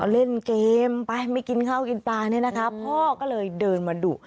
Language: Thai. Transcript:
เล่นเกมไปไม่กินข้าวกินปลาเนี่ยนะคะพ่อก็เลยเดินมาดุ